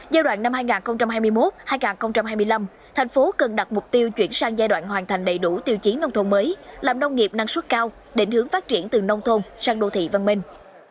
giai đoạn năm hai nghìn hai mươi một hai nghìn hai mươi năm thành phố cần đặt mục tiêu chuyển sang giai đoạn hoàn thành đầy đủ tiêu chí nông thôn mới làm nông nghiệp năng suất cao định hướng phát triển từ nông thôn sang đô thị văn minh